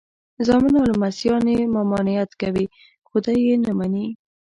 زامن او لمسیان یې ممانعت کوي خو دی یې نه مني.